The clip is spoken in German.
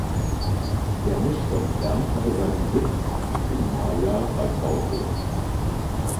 Der Mischkonzern hat seinen Sitz in Maia bei Porto.